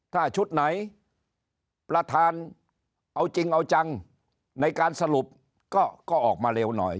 ถ้าชุดไหนประธานเอาจริงเอาจังในการสรุปก็ออกมาเร็วหน่อย